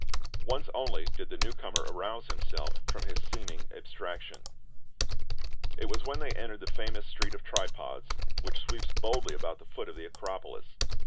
Once only did the new comer arouse himself from his seeming abstraction ; it was when they entered the famous street of Tripods, which sweeps boldly about the foot of the Acropolis.